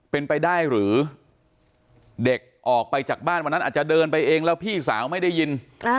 เป็นไปได้หรือเด็กออกไปจากบ้านวันนั้นอาจจะเดินไปเองแล้วพี่สาวไม่ได้ยิน